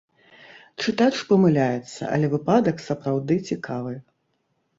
Чытач памыляецца, але выпадак, сапраўды, цікавы.